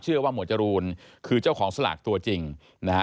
หมวดจรูนคือเจ้าของสลากตัวจริงนะฮะ